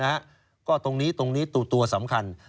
ก็ตรงนี้ตรงนี้ตัวสำคัญ